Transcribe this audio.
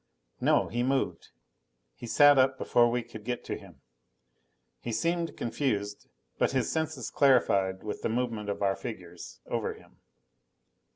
No, he moved. He sat up before we could get to him. He seemed confused, but his senses clarified with the movement of our figures over him.